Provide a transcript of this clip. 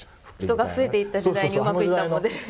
人が増えていった時代にうまくいったモデル。